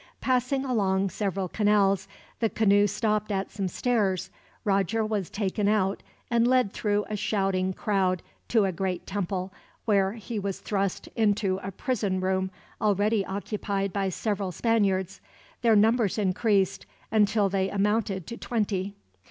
Passing along several canals, the canoe stopped at some stairs. Roger was taken out, and led through a shouting crowd to a great temple, where he was thrust into a prison room, already occupied by several Spaniards. Their numbers increased, until they amounted to twenty.